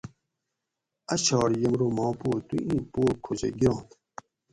اۤ چھاٹ یمرو ما پو تو ایں پوگ کھوچہ گیرانت